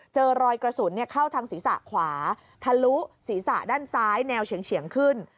เจอรอยกระสุนเข้าทางศีรษะขวาทะลุศีรษะด้านซ้ายแนวเฉียงขึ้น